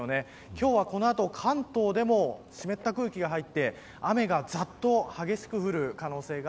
今日はこの後関東でも湿った空気が入って雨がざっと激しく降る可能性が